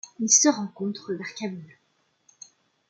Elle se rencontre vers Kaboul.